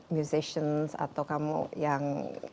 musicians atau kamu yang